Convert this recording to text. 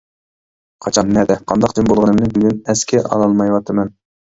قاچان، نەدە، قانداق جىم بولغىنىمنى بۈگۈن ئەسكە ئالالمايۋاتىمەن.